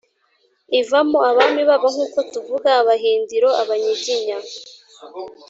ivamo abami babo nk'uko tuvuga abahindiro (abanyiginya).